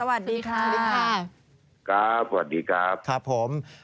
สวัสดีครับ